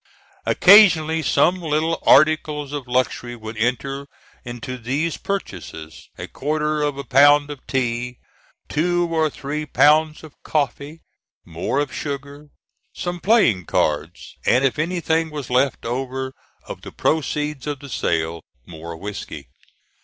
Occasionally some little articles of luxury would enter into these purchases a quarter of a pound of tea, two or three pounds of coffee, more of sugar, some playing cards, and if anything was left over of the proceeds of the sale, more whiskey.